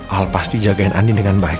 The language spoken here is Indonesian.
al pasti jagain ani dengan baik